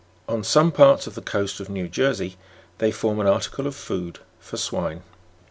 On some parts of the coast of New Jersey they form an article of food for swine.